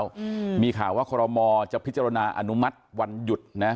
อืมมีข่าวว่าคอรมอจะพิจารณาอนุมัติวันหยุดนะ